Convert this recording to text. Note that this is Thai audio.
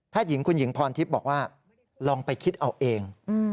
หญิงคุณหญิงพรทิพย์บอกว่าลองไปคิดเอาเอง